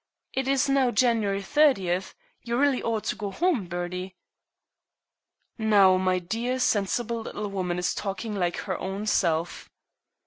It is now January 30th. You really ought to go home, Bertie." "Now my dear, sensible little woman is talking like her own self."